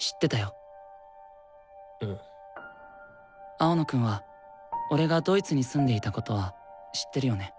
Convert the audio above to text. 青野くんは俺がドイツに住んでいたことは知ってるよね。